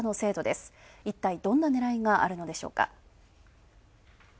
いったいどんな狙いがあるのでしょうか？